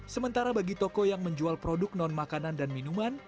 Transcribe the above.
sementara bagi toko yang menjual produk non makanan dan minuman